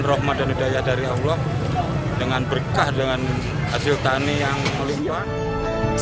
dengan semua limpaan rahmat dan hidayah dari allah dengan berkah dengan hasil tanah yang melimpaan